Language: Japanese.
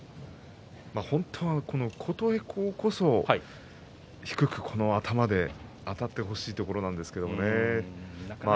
本当は、琴恵光こそ低く頭であたってほしいところなんですけどね。